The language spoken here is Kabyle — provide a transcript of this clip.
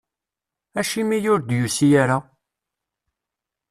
Acimi ur d-yusi ara?